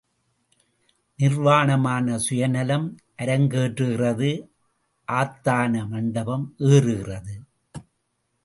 நிர்வாணமான சுயநலம் அரங்கேறுகிறது ஆத்தான மண்டபம் ஏறுகிறது.